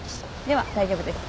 では大丈夫です。